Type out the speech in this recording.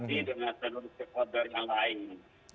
dengan tenur sekolah dari yang lain